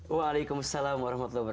waalaikumsalam wr wb